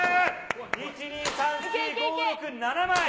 １、２、３、４、５、６、７枚。